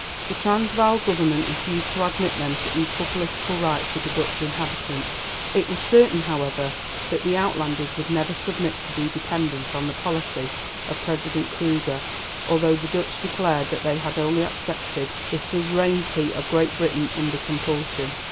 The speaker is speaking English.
The Transvaal Government refused to admit them to equal political rights with the Dutch inhabitants. It was certain, however, that the Outlanders would never submit to be dependent on the policy of President Kruger, although the Dutch declared that they had only accepted the suzerainty of Great Britain under compulsion.